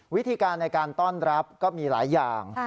วิธีการในการต้อนรับก็มีหลายอย่าง